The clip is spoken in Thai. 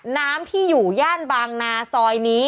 น้ำที่อยู่ย่านบางนาซอยนี้